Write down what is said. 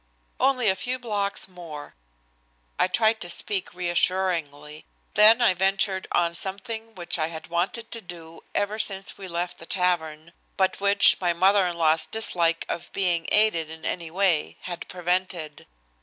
"Only a few blocks more." I tried to speak reassuringly. Then I ventured on something which I had wanted to do ever since we left the tavern, but which my mother in law's dislike of being aided in any way had prevented.